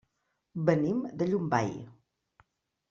Venim de Llombai.